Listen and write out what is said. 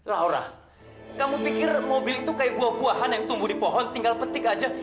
laura kamu pikir mobil itu kayak buah buahan yang tumbuh di pohon tinggal petik aja